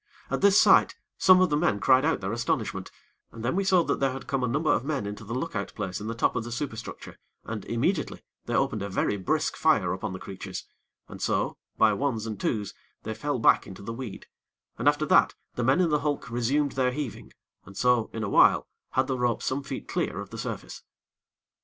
At this sight, some of the men cried out their astonishment, and then we saw that there had come a number of men into the look out place in the top of the superstructure, and, immediately, they opened a very brisk fire upon the creatures, and so, by ones and twos they fell back into the weed, and after that, the men in the hulk resumed their heaving, and so, in a while, had the rope some feet clear of the surface.